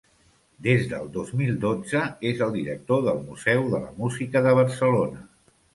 Des del dos mil dotze és el director del Museu de la Música de Barcelona.